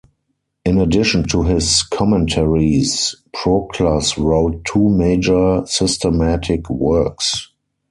In addition to his commentaries, Proclus wrote two major systematic works.